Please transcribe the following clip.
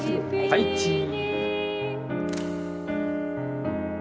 はいチー。